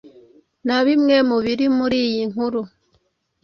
na bimwe mu biri muri iyi nkuru.